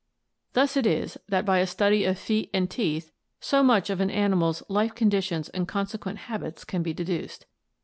Thus it is that by a study of feet and teeth so much of an animal's life con ditions and consequent habits can be deduced.